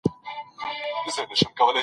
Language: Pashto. تاسو په خپلو مالونو کي امانتکار اوسئ.